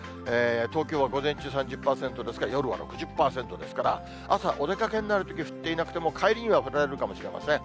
東京は午前中３０％ですが、夜は６０％ですから、朝、お出かけになるとき降っていなくても、帰りには降られるかもしれません。